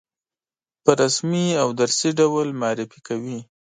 په رسمي او درسي ډول معرفي کوي.